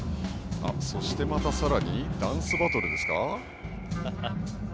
そして、またさらにダンスバトルですか。